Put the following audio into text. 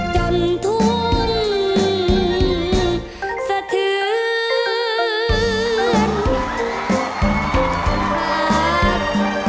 จนทุนสะเทือน